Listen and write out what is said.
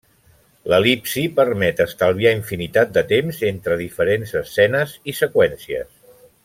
L'el·lipsi permet estalviar infinitat de temps entre diferents escenes i seqüències.